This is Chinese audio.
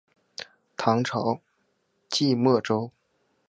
唐朝羁縻州。